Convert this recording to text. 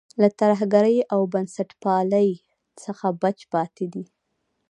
له ترهګرۍ او بنسټپالۍ څخه بچ پاتې دی.